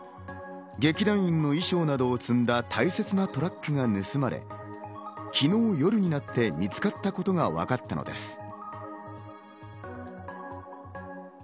劇団員の衣装などを積んだ大切なトラックが盗まれ、昨日、夜になって見つかったことがわかったのです。